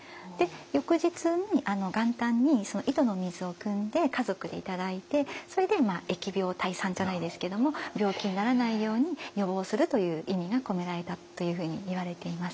翌日に元旦にその井戸の水をくんで家族でいただいてそれで疫病退散じゃないですけども病気にならないように予防するという意味が込められたというふうにいわれています。